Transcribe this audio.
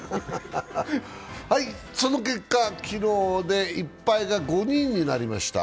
その結果、昨日で１敗が５人になりました。